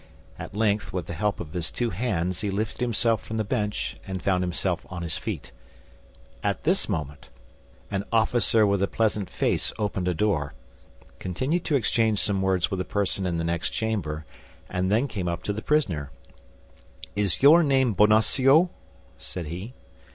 At length, with the help of his two hands he lifted himself from the bench, and found himself on his feet. At this moment an officer with a pleasant face opened a door, continued to exchange some words with a person in the next chamber and then came up to the prisoner. "Is your name Bonacieux?" said he.